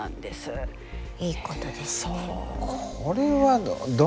いいことです。